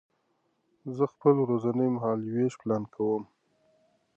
زه خپل ورځنی مهالوېش پلان کوم.